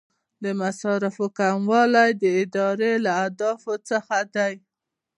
د مصارفو کموالی د ادارې له اهدافو څخه دی.